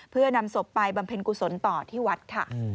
เพื่อนำศพไปบำเพ็ญกุศลต่อที่วัดค่ะ